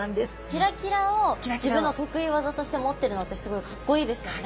キラキラを自分の得意技として持ってるのってすごいかっこいいですよね。